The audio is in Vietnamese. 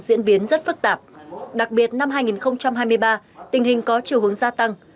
diễn biến rất phức tạp đặc biệt năm hai nghìn hai mươi ba tình hình có chiều hướng gia tăng